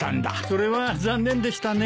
それは残念でしたねえ。